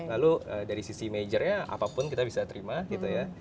lalu dari sisi majornya apapun kita bisa terima gitu ya